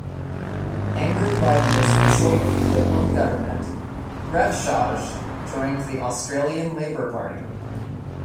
Angered by the dismissal of the Whitlam Government, Refshauge joined the Australian Labor Party.